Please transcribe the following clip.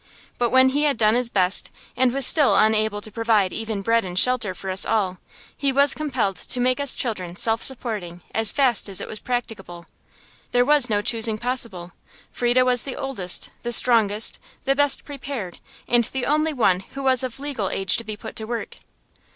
But when he had done his best, and was still unable to provide even bread and shelter for us all, he was compelled to make us children self supporting as fast as it was practicable. There was no choosing possible; Frieda was the oldest, the strongest, the best prepared, and the only one who was of legal age to be put to work.